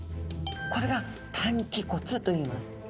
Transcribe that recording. これが担鰭骨といいます。